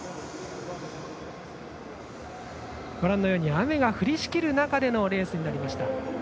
雨が降りしきる中でのレースになりました。